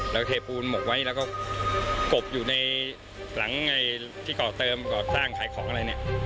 แล้วก็เทปูนหมกไว้แล้วก็กบอยู่ในหลังที่ก่อเติมก่อสร้างขายของอะไรเนี่ย